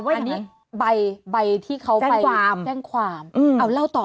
อันนี้ใบที่เขาไปแจ้งความเอาเล่าต่อ